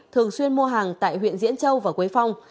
thường xuyên mua hàng tại huyện diễn châu và quế phong